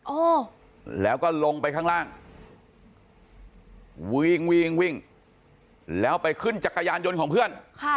โอ้แล้วก็ลงไปข้างล่างวิ่งวิ่งแล้วไปขึ้นจักรยานยนต์ของเพื่อนค่ะ